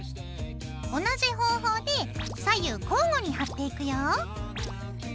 同じ方法で左右交互に貼っていくよ。